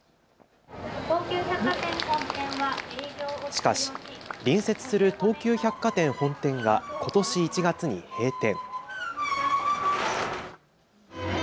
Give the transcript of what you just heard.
しかし、隣接する東急百貨店本店がことし１月に閉店。